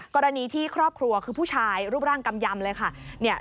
กรณีที่ครอบครัวคือผู้ชายรูปร่างกำยำเลยค่ะ